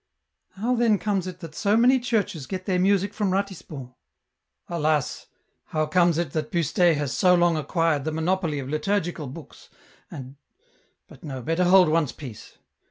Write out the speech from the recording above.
" How then comes it that so many churches get thei*" music from Ratisbon ?"" Alas, how comes it that Pustet has so long acquired the monopoly of liturgical books, and ... but no, better hold one's peace